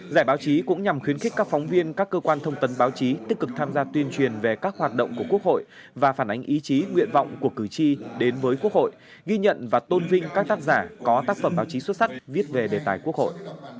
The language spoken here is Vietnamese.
giải báo chí cũng nhằm khuyến khích các phóng viên các cơ quan thông tấn báo chí tích cực tham gia tuyên truyền về các hoạt động của quốc hội và phản ánh ý chí nguyện vọng của cử tri đến với quốc hội ghi nhận và tôn vinh các tác giả có tác phẩm báo chí xuất sắc viết về đề tài quốc hội